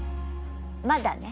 まだね。